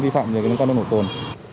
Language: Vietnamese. vi phạm về nồng độ cồn